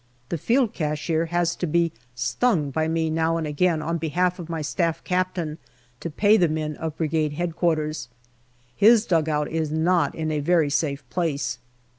The Field Cashier has to be " stung " by me now and again on behalf of my Staff Captain to pay the men of Brigade H.Q. His dugout is not in a very safe place.